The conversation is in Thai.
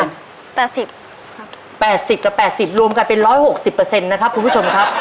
๘๐กับ๘๐รวมกันเป็น๑๖๐เปอร์เซ็นต์นะครับคุณผู้ชมครับ